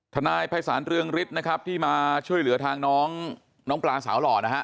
ทนายภัยสารเรืองฤทธิ์ที่มาช่วยเหลือทางน้องกลางสาวหล่อ